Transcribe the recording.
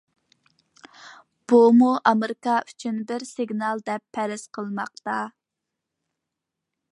بۇمۇ ئامېرىكا ئۈچۈن بىر سىگنال دەپ پەرەز قىلىنماقتا.